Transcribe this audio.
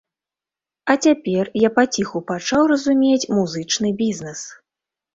А цяпер я паціху пачаў разумець музычны бізнэс.